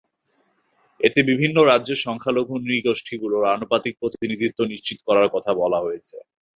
এতে বিভিন্ন রাজ্যের সংখ্যালঘু নৃগোষ্ঠীগুলোর আনুপাতিক প্রতিনিধিত্ব নিশ্চিত করার কথা বলা হয়েছে।